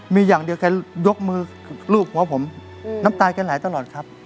มีอย่างเดียวกันยกมือลูกของผมน้ำตายกันหลายตลอดครับ